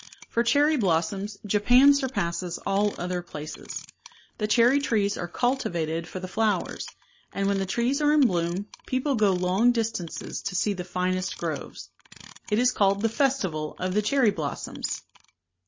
For cherry blossoms Japan surpasses all other places. The cherry trees are cultivated for the flow ers, and when the trees are in bloom, people go long distances to see the finest groves. It is called the " Festival of the Cherry Blossoms."